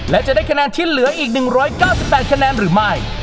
และจะได้คะแนนที่เหลืออีก๑๙๘คะแนนหรือไม่